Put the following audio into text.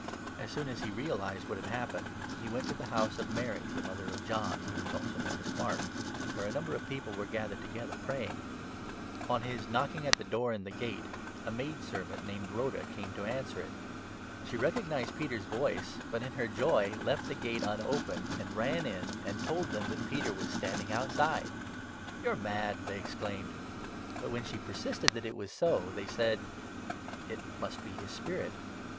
THE ACTS, 12 18. 237 As soon as he realized what had happened, he went to the 12 house of Mary, the mother of John who was also known as Mark, where a number of people were gathered together, praying. On his knocking at the door in the gate, a maid 13 servant, named Rhoda, came to answer it. She recognized 14 Peter's voice, but in her joy left the gate unopened, and ran in, and told them that Peter was standing outside. " You are mad !" they exclaimed. 15 But, when she persisted that it was so, they said :" It must be his spirit